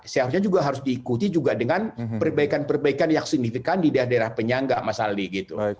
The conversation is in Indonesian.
seharusnya juga harus diikuti juga dengan perbaikan perbaikan yang signifikan di daerah daerah penyangga mas aldi gitu